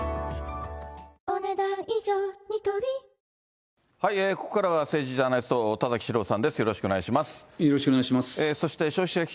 さらに、ここからは、政治ジャーナリスト、田崎史郎さんです。